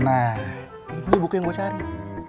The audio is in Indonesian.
nah itu buku yang gue cari